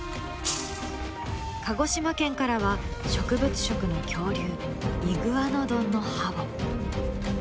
鹿児島県からは植物食の恐竜イグアノドンの歯を。